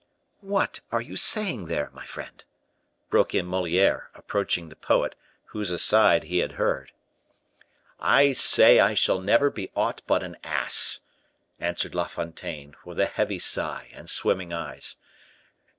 "What are you saying there, my friend?" broke in Moliere, approaching the poet, whose aside he had heard. "I say I shall never be aught but an ass," answered La Fontaine, with a heavy sigh and swimming eyes.